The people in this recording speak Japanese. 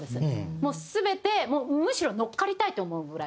全てもうむしろ乗っかりたいって思うぐらい。